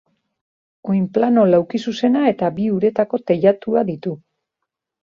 Oinplano laukizuzena eta bi uretako teilatua ditu.